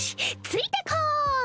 ついてこーい！